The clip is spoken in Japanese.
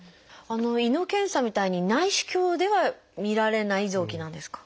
胃の検査みたいに内視鏡ではみられない臓器なんですか？